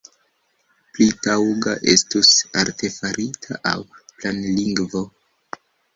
Pli taŭga estus artefarita aŭ planlingvo.